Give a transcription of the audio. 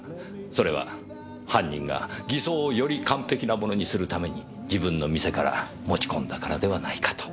それは犯人が偽装をより完璧なものにするために自分の店から持ち込んだからではないかと。